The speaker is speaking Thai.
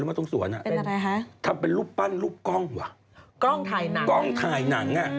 หัวใจกับต้องการนะ